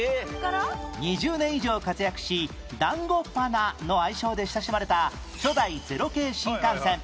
２０年以上活躍し「団子鼻」の愛称で親しまれた初代０系新幹線